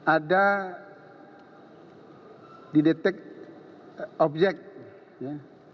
ada dideteksi objek ya